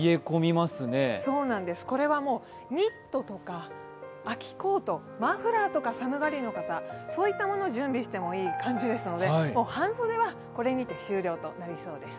これはニットとか秋コート、マフラーとか寒がりの方、そういったものを準備してもいい感じですので、半袖はこれにて終了となりそうです。